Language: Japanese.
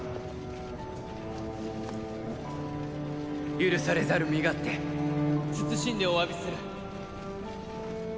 許されざる身勝手謹んでおわびする。